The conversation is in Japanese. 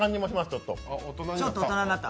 ちょっと大人になった？